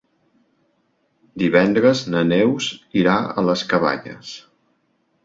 Divendres na Neus irà a les Cabanyes.